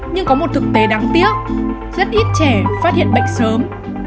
nhưng có một thực tế đáng tiếc rất ít trẻ phát hiện bệnh sớm